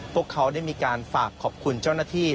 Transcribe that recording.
พวกเขาได้มีการฝากขอบคุณเจ้าหน้าที่